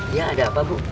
iya ada apa bu